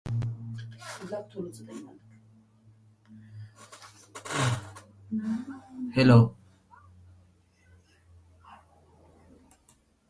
The band released the vinyl-only single Where Did Our Loving Go?